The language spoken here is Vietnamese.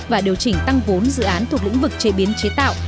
và điều chỉnh tăng vốn dự án thuộc lĩnh vực chế biến chế tạo